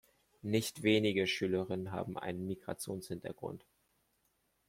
Nicht wenige Schülerinnen haben einen Migrationshintergrund.